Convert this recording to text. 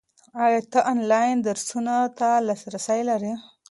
ایا ته آنلاین درسونو ته لاسرسی لرې؟